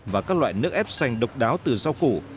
và các loại nước ép xanh độc đáo từ rau củ